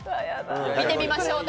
見てみましょう。